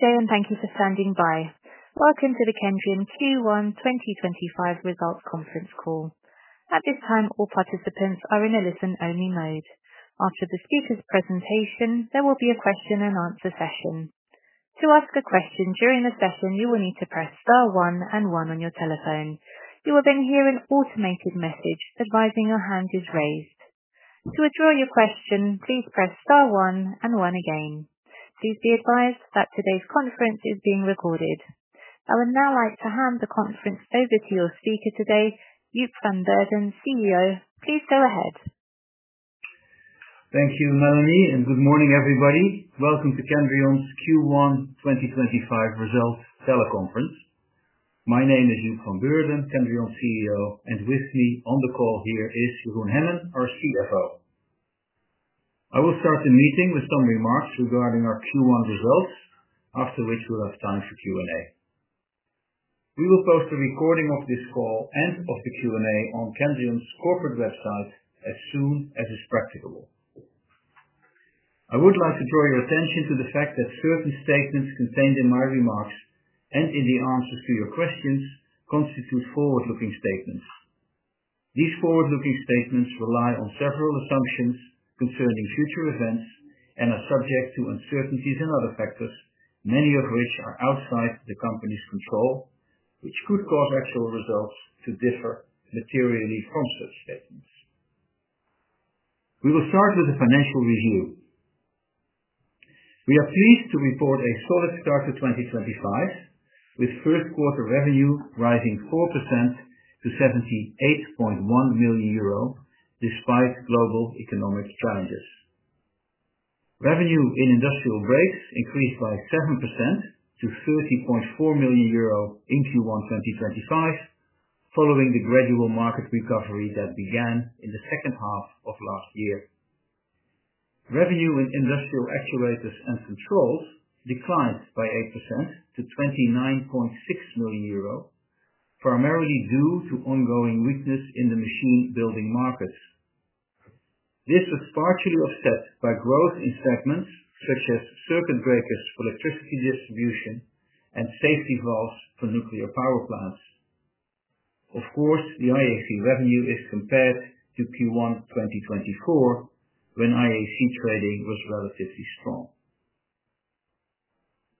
Thank you for standing by. Welcome to the Kendrion Q1 2025 results conference call. At this time, all participants are in a listen-only mode. After the speaker's presentation, there will be a question-and-answer session. To ask a question during the session, you will need to press star one and one on your telephone. You will then hear an automated message advising your hand is raised. To withdraw your question, please press star one and one again. Please be advised that today's conference is being recorded. I would now like to hand the conference over to your speaker today, Joep van Beurden, CEO. Please go ahead. Thank you, Melanie, and good morning, everybody. Welcome to Kendrion's Q1 2025 results teleconference. My name is Joep van Beurden, Kendrion CEO, and with me on the call here is Jeroen Hemmen, our CFO. I will start the meeting with some remarks regarding our Q1 results, after which we'll have time for Q&A. We will post a recording of this call and of the Q&A on Kendrion's corporate website as soon as it's practicable. I would like to draw your attention to the fact that certain statements contained in my remarks and in the answers to your questions constitute forward-looking statements. These forward-looking statements rely on several assumptions concerning future events and are subject to uncertainties and other factors, many of which are outside the company's control, which could cause actual results to differ materially from such statements. We will start with a financial review. We are pleased to report a solid start to 2025, with first-quarter revenue rising 4% to 78.1 million euro despite global economic challenges. Revenue in industrial brakes increased by 7% to 30.4 million euro in Q1 2025, following the gradual market recovery that began in the second half of last year. Revenue in industrial actuators and controls declined by 8% to 29.6 million euro, primarily due to ongoing weakness in the machine-building markets. This was partially offset by growth in segments such as circuit breakers for electricity distribution and safety valves for nuclear power plants. Of course, the IAC revenue is compared to Q1 2024, when IAC trading was relatively strong.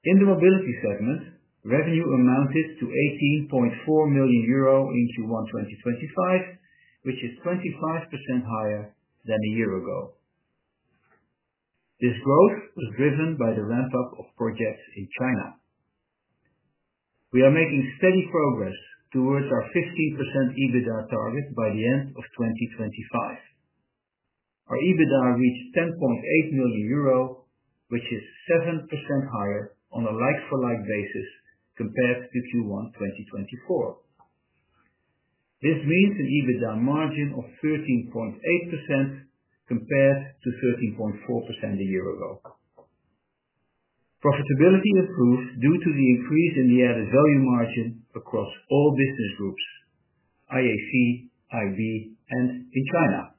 In the mobility segment, revenue amounted to 18.4 million euro in Q1 2025, which is 25% higher than a year ago. This growth was driven by the ramp-up of projects in China. We are making steady progress towards our 15% EBITDA target by the end of 2025. Our EBITDA reached 10.8 million euro, which is 7% higher on a like-for-like basis compared to Q1 2024. This means an EBITDA margin of 13.8% compared to 13.4% a year ago. Profitability improved due to the increase in the added value margin across all business groups: IAC, IB, and in China.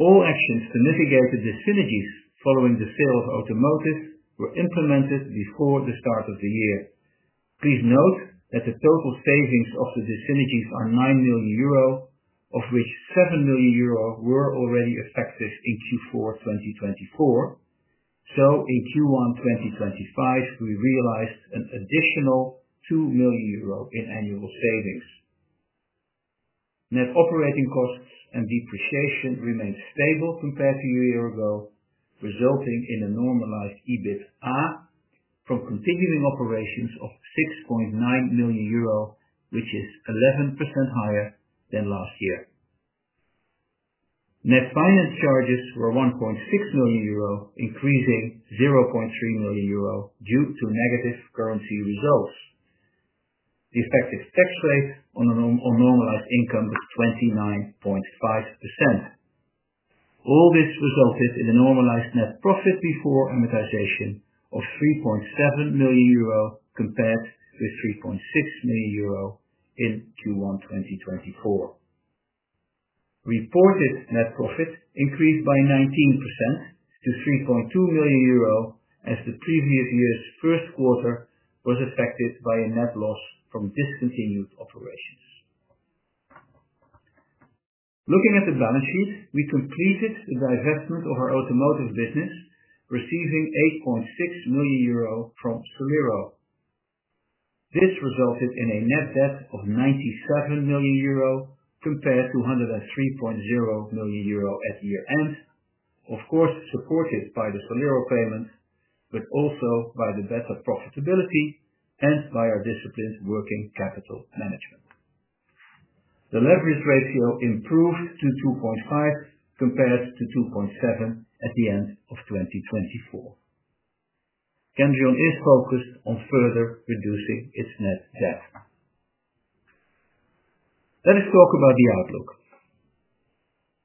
All actions to mitigate the synergies following the sale of automotive were implemented before the start of the year. Please note that the total savings of the synergies are 9 million euro, of which 7 million euro were already effective in Q4 2024. In Q1 2025, we realized an additional 2 million euro in annual savings. Net operating costs and depreciation remained stable compared to a year ago, resulting in a normalized EBITA from continuing operations of 6.9 million euro, which is 11% higher than last year. Net finance charges were 1.6 million euro, increasing 0.3 million euro due to negative currency results. The effective tax rate on normalized income was 29.5%. All this resulted in a normalized net profit before amortization of 3.7 million euro compared with 3.6 million euro in Q1 2024. Reported net profit increased by 19% to 3.2 million euro as the previous year's first quarter was affected by a net loss from discontinued operations. Looking at the balance sheet, we completed the divestment of our automotive business, receiving 8.6 million euro from Solero. This resulted in a net debt of 97 million euro compared to 103.0 million euro at year-end, of course supported by the Solero payments, but also by the better profitability and by our disciplined working capital management. The leverage ratio improved to 2.5 compared to 2.7 at the end of 2024. Kendrion is focused on further reducing its net debt. Let us talk about the outlook.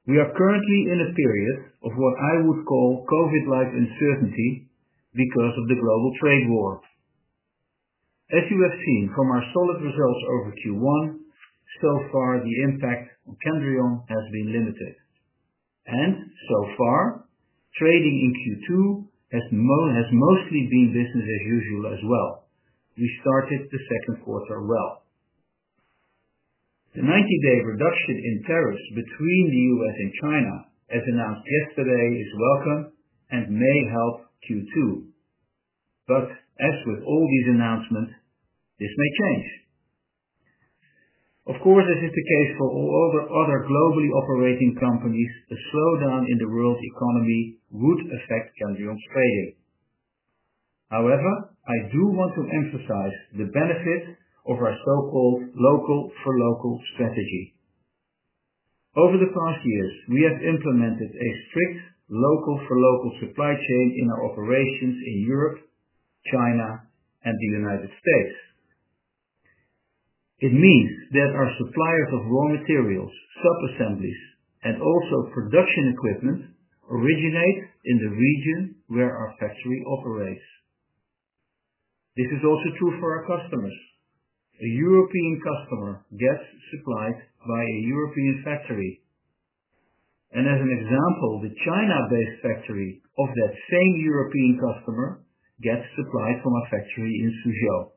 We are currently in a period of what I would call COVID-like uncertainty because of the global trade war. As you have seen from our solid results over Q1, so far the impact on Kendrion has been limited. So far, trading in Q2 has mostly been business as usual as well. We started the second quarter well. The 90-day reduction in tariffs between the U.S. and China, as announced yesterday, is welcome and may help Q2. As with all these announcements, this may change. Of course, as is the case for all other globally operating companies, a slowdown in the world economy would affect Kendrion's trading. However, I do want to emphasize the benefit of our so-called local-for-local strategy. Over the past years, we have implemented a strict local-for-local supply chain in our operations in Europe, China, and the United States. It means that our suppliers of raw materials, sub-assemblies, and also production equipment originate in the region where our factory operates. This is also true for our customers. A European customer gets supplied by a European factory. For example, the China-based factory of that same European customer gets supplied from our factory in Suzhou.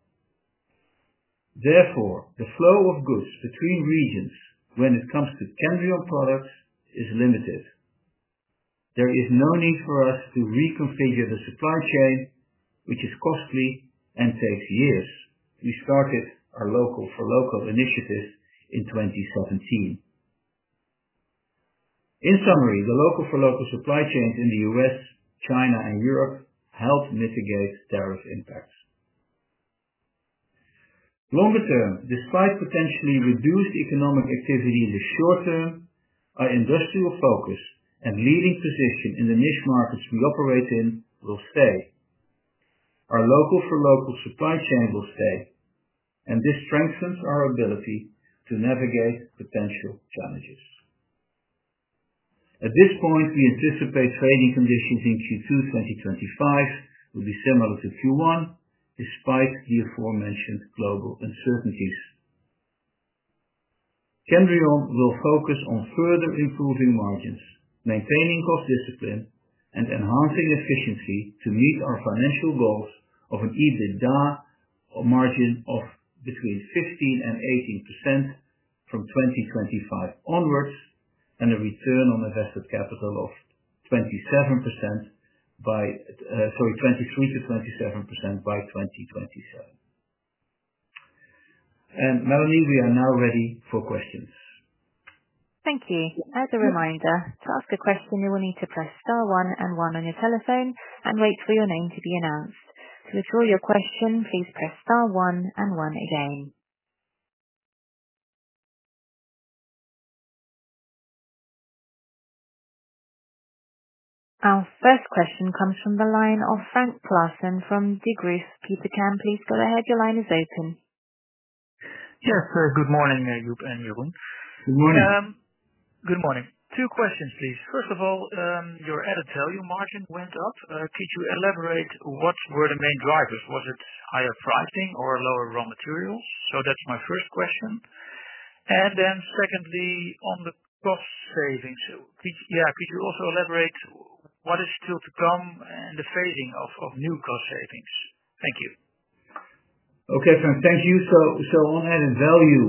Therefore, the flow of goods between regions when it comes to Kendrion products is limited. There is no need for us to reconfigure the supply chain, which is costly and takes years. We started our local-for-local initiative in 2017. In summary, the local-for-local supply chains in the U.S., China, and Europe help mitigate tariff impacts. Longer term, despite potentially reduced economic activity in the short term, our industrial focus and leading position in the niche markets we operate in will stay. Our local-for-local supply chain will stay, and this strengthens our ability to navigate potential challenges. At this point, we anticipate trading conditions in Q2 2025 will be similar to Q1, despite the aforementioned global uncertainties. Kendrion will focus on further improving margins, maintaining cost discipline, and enhancing efficiency to meet our financial goals of an EBITDA margin of between 15%-18% from 2025 onwards, and a return on invested capital of 23% by 2027. Melanie, we are now ready for questions. Thank you. As a reminder, to ask a question, you will need to press star one and one on your telephone and wait for your name to be announced. To withdraw your question, please press star one and one again. Our first question comes from the line of Frank Claassen from Degroof Petercam. Please go ahead. Your line is open. Yes, good morning, Joep and Jeroen. Good morning. Good morning. Two questions, please. First of all, your added value margin went up. Could you elaborate what were the main drivers? Was it higher pricing or lower raw materials? That is my first question. Secondly, on the cost savings, could you also elaborate what is still to come and the phasing of new cost savings? Thank you. Okay, thank you. On added value,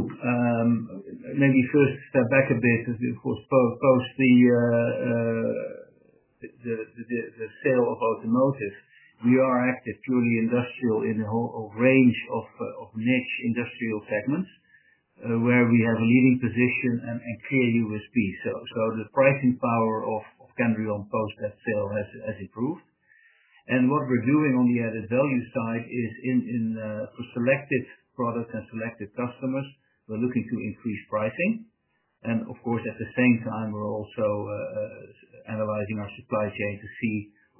maybe first step back a bit as we post the sale of automotive. We are active purely industrial in a whole range of niche industrial segments where we have a leading position and clear USP. The pricing power of Kendrion post that sale has improved. What we're doing on the added value side is for selected products and selected customers, we're looking to increase pricing. Of course, at the same time, we're also analyzing our supply chain to see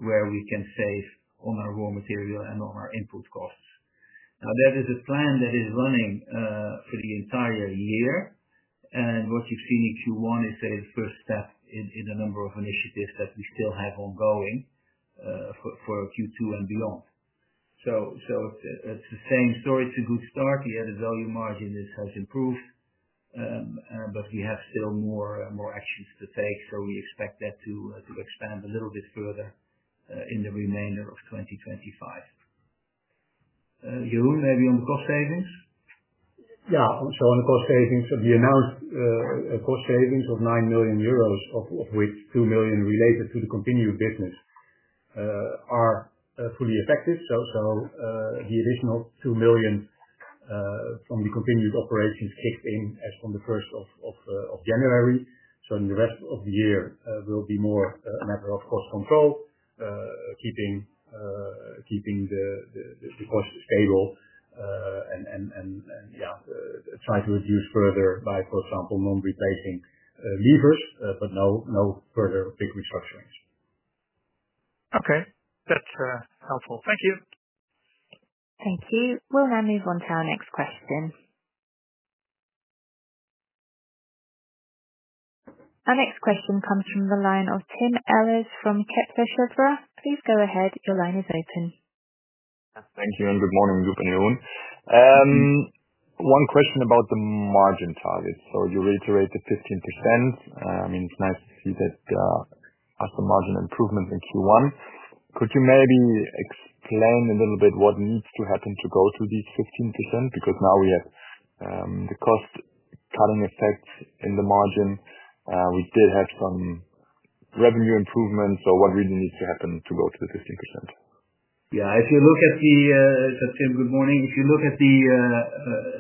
where we can save on our raw material and on our input costs. That is a plan that is running for the entire year. What you've seen in Q1 is the first step in a number of initiatives that we still have ongoing for Q2 and beyond. It's the same story. It's a good start. The added value margin has improved, but we have still more actions to take. We expect that to expand a little bit further in the remainder of 2025. Jeroen, maybe on the cost savings? Yeah. On the cost savings, the announced cost savings of 9 million euros, of which 2 million related to the continued business, are fully effective. The additional 2 million from the continued operations kicked in as from the 1st of January. In the rest of the year, it will be more a matter of cost control, keeping the cost stable, and yeah, try to reduce further by, for example, non-replacing leavers, but no further big restructurings. Okay, that's helpful. Thank you. Thank you. We'll now move on to our next question. Our next question comes from the line of Tim Ehlers from Kepler Cheuvreux. Please go ahead. Your line is open. Thank you. Good morning, Joep and Jeroen. One question about the margin target. You reiterated 15%. I mean, it's nice to see that after margin improvement in Q1. Could you maybe explain a little bit what needs to happen to go to these 15%? Because now we have the cost cutting effects in the margin. We did have some revenue improvements. What really needs to happen to go to the 15%? Yeah. If you look at the good morning, if you look at the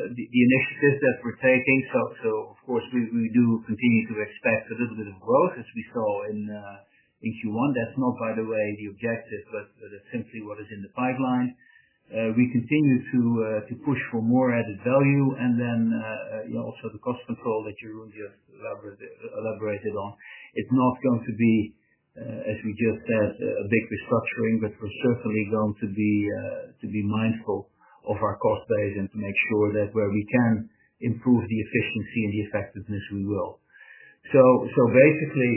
initiatives that we're taking, so of course, we do continue to expect a little bit of growth as we saw in Q1. That's not, by the way, the objective, but simply what is in the pipeline. We continue to push for more added value. And then also the cost control that Jeroen just elaborated on. It's not going to be, as we just said, a big restructuring, but we're certainly going to be mindful of our cost base and to make sure that where we can improve the efficiency and the effectiveness, we will. So basically,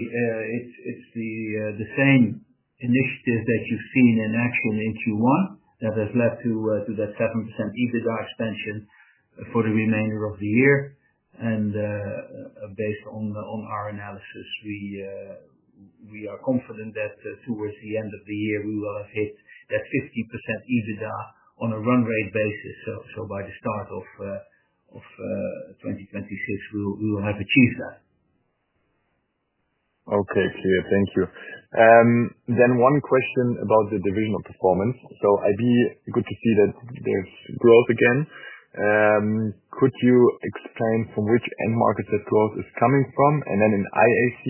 it's the same initiative that you've seen in action in Q1 that has led to that 7% EBITDA expansion for the remainder of the year. Based on our analysis, we are confident that towards the end of the year, we will have hit that 15% EBITDA on a run rate basis. By the start of 2026, we will have achieved that. Okay, clear. Thank you. One question about the divisional performance. It would be good to see that there is growth again. Could you explain from which end markets that growth is coming from? In IAC,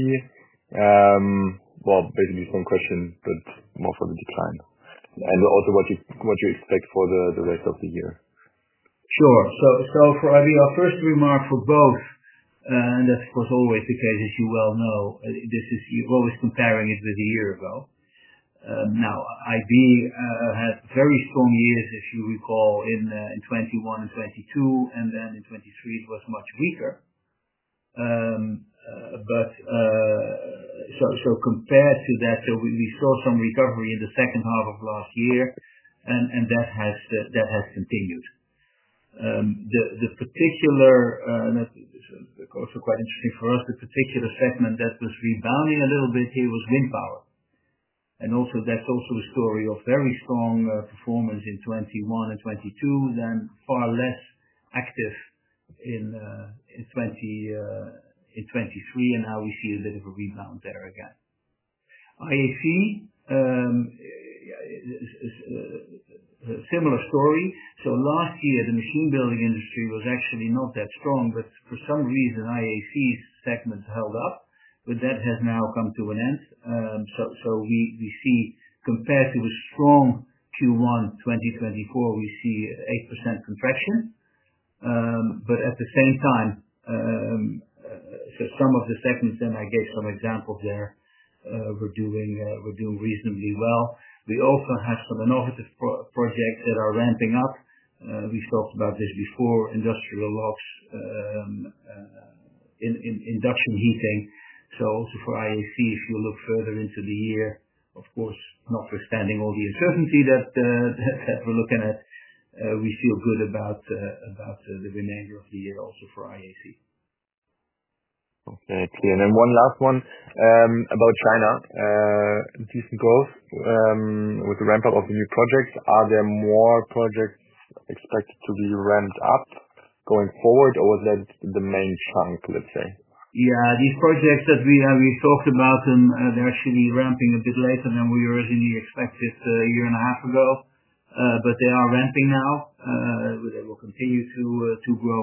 basically the same question, but more for the decline. Also, what do you expect for the rest of the year? Sure. For IB, our first remark for both, and that's of course always the case, as you well know, you're always comparing it with a year ago. Now, IB had very strong years, if you recall, in 2021 and 2022, and then in 2023, it was much weaker. Compared to that, we saw some recovery in the second half of last year, and that has continued. The particular, and that's also quite interesting for us, the particular segment that was rebounding a little bit here was wind power. That's also a story of very strong performance in 2021 and 2022, then far less active in 2023, and now we see a bit of a rebound there again. IAC, similar story. Last year, the machine building industry was actually not that strong, but for some reason, the IAC segment held up, but that has now come to an end. We see, compared to a strong Q1 2024, an 8% contraction. At the same time, some of the segments, and I gave some examples there, are doing reasonably well. We also have some innovative projects that are ramping up. We have talked about this before, industrial locks, induction heating. For IAC, if you look further into the year, of course, notwithstanding all the uncertainty that we are looking at, we feel good about the remainder of the year also for IAC. Okay, clear. One last one about China. Decent growth with the ramp-up of the new projects. Are there more projects expected to be ramped up going forward, or was that the main chunk, let's say? Yeah, these projects that we talked about, they're actually ramping a bit later than we originally expected a year and a half ago, but they are ramping now. They will continue to grow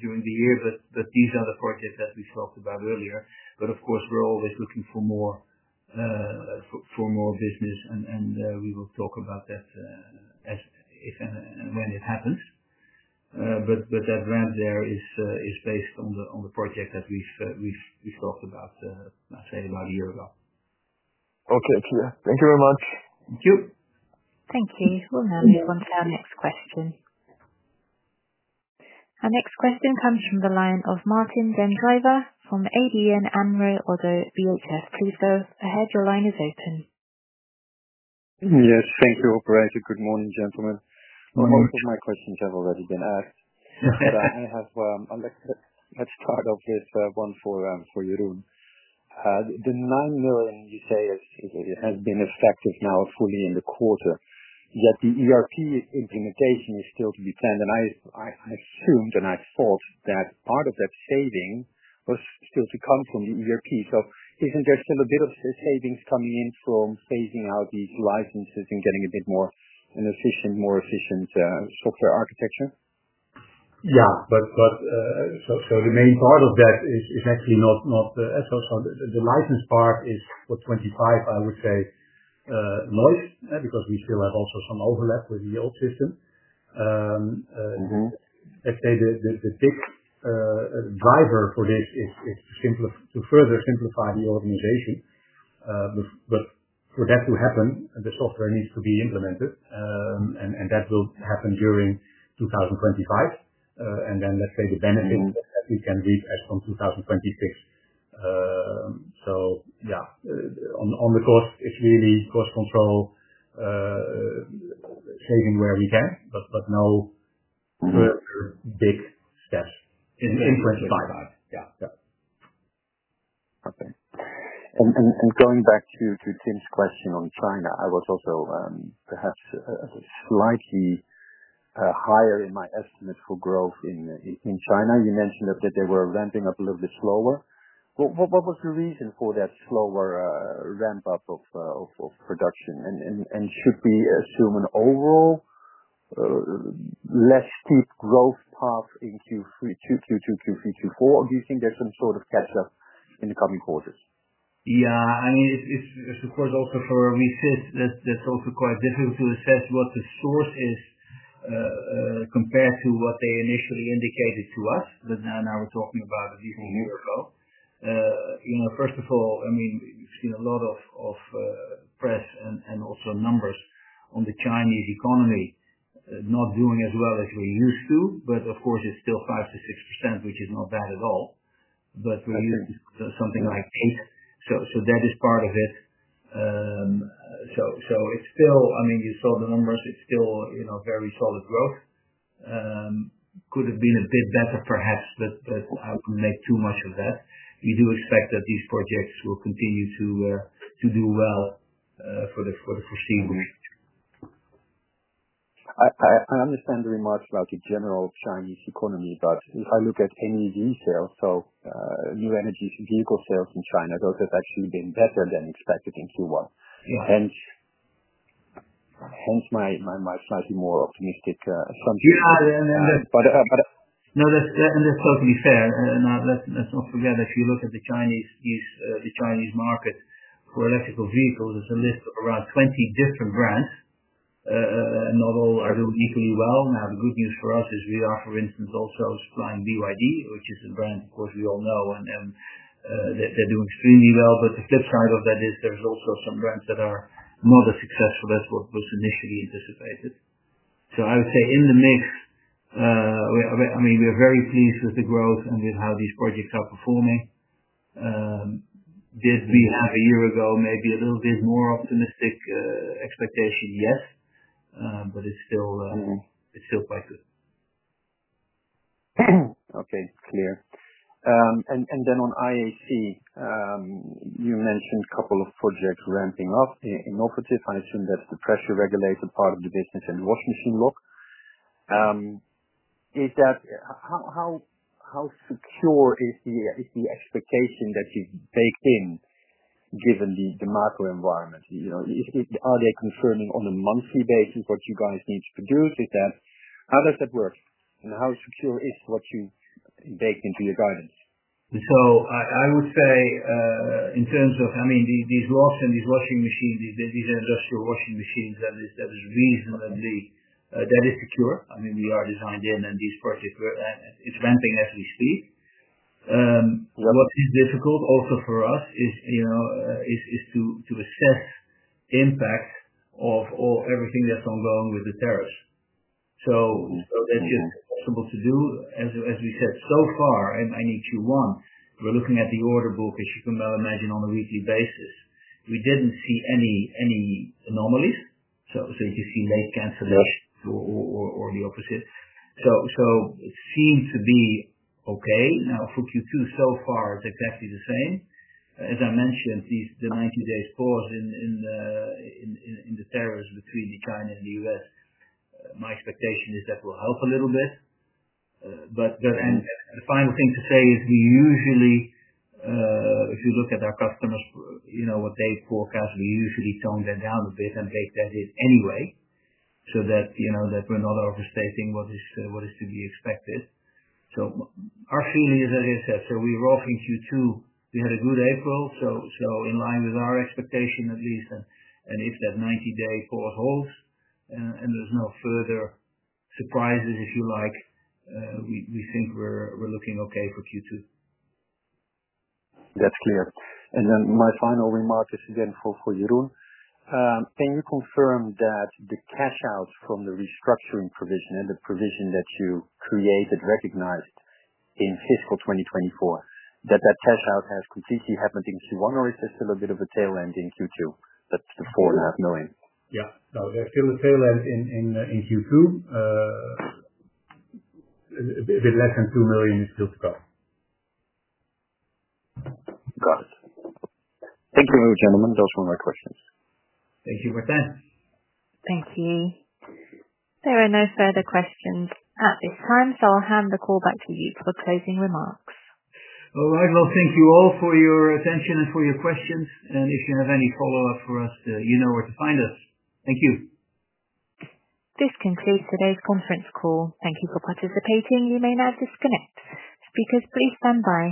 during the year. These are the projects that we've talked about earlier. Of course, we're always looking for more business, and we will talk about that when it happens. That ramp there is based on the project that we've talked about, I'd say, about a year ago. Okay, clear. Thank you very much. Thank you. Thank you. We'll now move on to our next question. Our next question comes from the line of Martijn den Drijver from ABN AMRO. Please go ahead. Your line is open. Yes, thank you, Operator. Good morning, gentlemen. Morning. My questions have already been asked, but I have a let's start off with one for Jeroen. The 9 million you say has been effective now fully in the quarter, yet the ERP implementation is still to be planned. I assumed and I thought that part of that saving was still to come from the ERP. Isn't there still a bit of savings coming in from phasing out these licenses and getting a bit more efficient, more efficient software architecture? Yeah, but the main part of that is actually not, so the license part is for 2025, I would say, noise, because we still have also some overlap with the old system. I'd say the big driver for this is to further simplify the organization. For that to happen, the software needs to be implemented, and that will happen during 2025. Let's say the benefits that we can reap are as from 2026. Yeah, on the cost, it's really cost control, saving where we can, but no further big steps in 2025. Okay. Going back to Tim's question on China, I was also perhaps slightly higher in my estimate for growth in China. You mentioned that they were ramping up a little bit slower. What was the reason for that slower ramp-up of production? Should we assume an overall less steep growth path in Q2, Q3, Q4, or do you think there's some sort of catch-up in the coming quarters? Yeah. I mean, it's of course also for refit. That's also quite difficult to assess what the source is compared to what they initially indicated to us, but now we're talking about at least a year ago. First of all, I mean, we've seen a lot of press and also numbers on the Chinese economy not doing as well as we're used to. Of course, it's still 5-6%, which is not bad at all. We're used to something like 8%. That is part of it. It's still, I mean, you saw the numbers. It's still very solid growth. Could have been a bit better, perhaps, but I wouldn't make too much of that. We do expect that these projects will continue to do well for the foreseeable future. I understand the remarks about the general Chinese economy, but if I look at any resales, so new energy vehicle sales in China, those have actually been better than expected in Q1. Hence my slightly more optimistic assumption. Yeah. And. But. No, and that's totally fair. Now, let's not forget, if you look at the Chinese market for electrical vehicles, there's a list of around 20 different brands. Not all are doing equally well. Now, the good news for us is we are, for instance, also supplying BYD, which is a brand, of course, we all know, and they're doing extremely well. The flip side of that is there's also some brands that are more or less successful as what was initially anticipated. I would say in the mix, I mean, we're very pleased with the growth and with how these projects are performing. Did we have a year ago maybe a little bit more optimistic expectation? Yes, but it's still quite good. Okay, clear. Then on IAC, you mentioned a couple of projects ramping up innovative. I assume that's the pressure regulator part of the business and washing machine lock. How secure is the expectation that you've baked in given the macro environment? Are they confirming on a monthly basis what you guys need to produce? How does that work? How secure is what you baked into your guidance? I would say in terms of, I mean, these locks and these washing machines, these industrial washing machines, that is reasonably secure. I mean, we are designed in, and these projects, it's ramping as we speed. What is difficult also for us is to assess the impact of everything that's ongoing with the tariffs. That's just possible to do. As we said, so far, I mean, Q1, we're looking at the order book, as you can well imagine, on a weekly basis. We didn't see any anomalies. You can see late cancellations or the opposite. It seems to be okay. Now, for Q2, so far, it's exactly the same. As I mentioned, the 90-day pause in the tariffs between China and the U.S., my expectation is that will help a little bit. The final thing to say is we usually, if you look at our customers, what they forecast, we usually tone that down a bit and bake that in anyway so that we're not overstating what is to be expected. Our feeling is, as I said, we were off in Q2. We had a good April, in line with our expectation at least. If that 90-day pause holds and there are no further surprises, we think we're looking okay for Q2. That's clear. My final remark is again for Jeroen. Can you confirm that the cash-out from the restructuring provision and the provision that you created, recognized in fiscal 2024, that that cash-out has completely happened in Q1, or is there still a bit of a tail end in Q2? That's the 4.5 million. Yeah. No, there's still a tail end in Q2. A bit less than 2 million is still to come. Got it. Thank you very much, gentlemen. That was one of my questions. Thank you for your time. Thank you. There are no further questions at this time, so I'll hand the call back to you for closing remarks. All right. Thank you all for your attention and for your questions. If you have any follow-up for us, you know where to find us. Thank you. This concludes today's conference call. Thank you for participating. You may now disconnect. Speakers, please stand by.